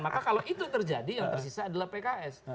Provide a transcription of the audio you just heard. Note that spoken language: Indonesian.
maka kalau itu terjadi yang tersisa adalah pks